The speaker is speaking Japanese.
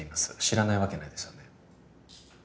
知らないわけないですよね？